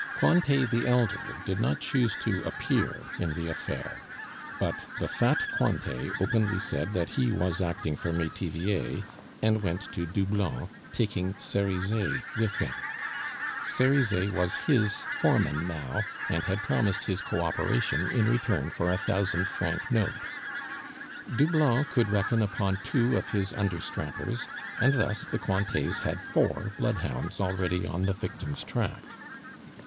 Cointet the elder did not choose to appear in the affair; but the fat Cointet openly said that he was acting for Metivier, and went to Doublon, taking Cerizet with him. Cerizet was his foreman now, and had promised his co operation in return for a thousand franc note. Doublon could reckon upon two of his understrappers, and thus the Cointets had four bloodhounds already on the victim's track.